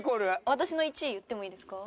私の１位言ってもいいですか？